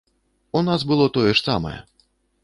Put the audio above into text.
У нас было тое ж самае.